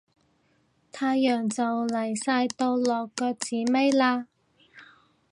太陽就嚟晒到落腳子尾喇